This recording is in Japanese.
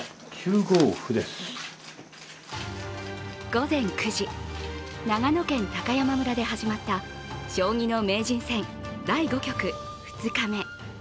午前９時、長野県高山村で始まった将棋の名人戦第５局、２日目。